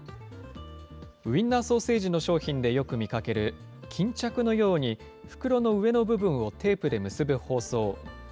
ウインナーソーセージの商品でよく見かける巾着のように、袋の上の部分をテープで結ぶ包装。